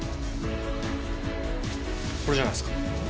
これじゃないですか？